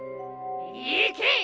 いけ！